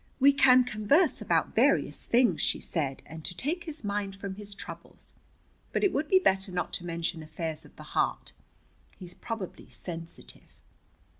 "We can converse about various things," she said, "and take his mind from his troubles. But it would be better not to mention affairs of the heart. He's probably sensitive."